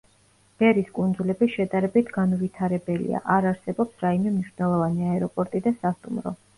ბერის კუნძულები შედარებით განუვითარებელია, არ არსებობს რაიმე მნიშვნელოვანი აეროპორტი და სასტუმრო.